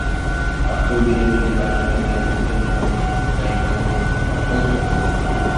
আপুর বিলম্বিত নাসা রোগের জন্য দায়ী কোন ছত্রাক?